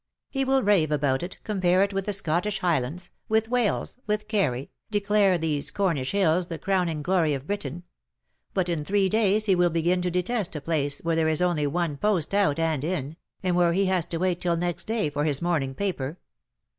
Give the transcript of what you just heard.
He will rave about it, compare it with the Scottish Highlands — with Wales — with Kerry, declare these Cornish hills the crowning THE DAYS THAT ARE NO MORE. 31 glory of Britain. But in three days he will begin to detest a place where there is only one post out and in^ and where he has to wait till next day for his morning paper.